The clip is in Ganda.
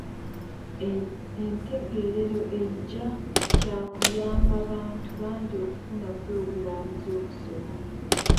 Entegeerero ejja kyakuyamba bantu bangi okufuna pulogulaamu z'okusoma.